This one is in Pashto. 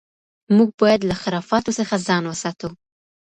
موږ باید له خرافاتو څخه ځان وساتو.